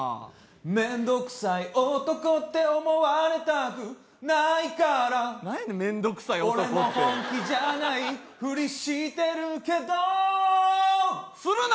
めんどくさい男って思われたくないから何やねん「めんどくさい男」って俺も本気じゃないふりしてるけどするな！